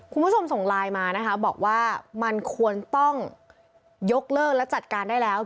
คุณผู้ชมส่งไลน์มานะคะบอกว่ามันควรต้องยกเลิกและจัดการได้แล้ว